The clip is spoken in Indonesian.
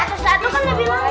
itu kan lebih lama